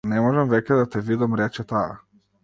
Не можам веќе да те видам, рече таа.